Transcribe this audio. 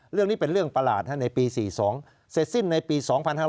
เรื่องนี้เป็นเรื่องประหลาดในปี๔๒เสร็จสิ้นในปี๒๕๕๙